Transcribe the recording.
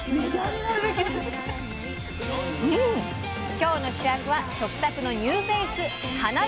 今日の主役は食卓のニューフェースはなびらたけ！